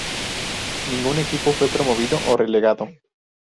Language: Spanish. Ningún equipo fue promovido o relegado.